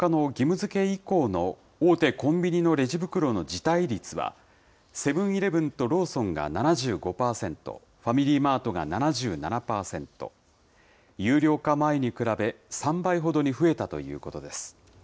づけ以降の、大手コンビニのレジ袋の辞退率は、セブンーイレブンとローソンが７５％、ファミリーマートが７７％、有料化前に比べ、３倍ほどに増えたということです。